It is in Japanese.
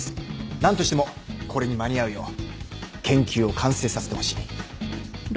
何としてもこれに間に合うよう研究を完成させてほしい。